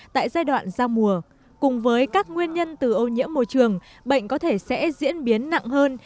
tại giai đoạn giao mùa cùng với các nguyên nhân từ ô nhiễm môi trường bệnh có thể sẽ diễn biến nặng hơn